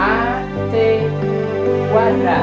a c kuadrat